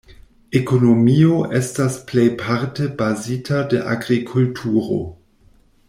Ekonomio estas plejparte bazita de agrikulturo.